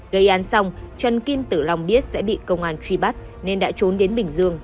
gây án xong trần kim tử long biết sẽ bị công an truy bắt nên đã trốn đến bình dương